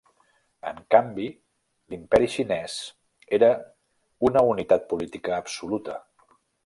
En canvi, l'imperi xinès era una unitat política absoluta.